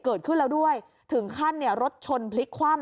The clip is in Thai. เกิดขึ้นแล้วด้วยถึงขั้นเนี่ยรถชนพลิกคว่ำ